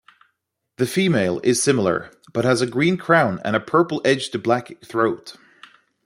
The female is similar, but has a green crown and a purple-edged black throat.